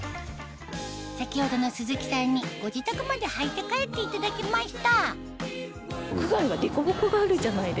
先ほどの鈴木さんにご自宅まで履いて帰っていただきました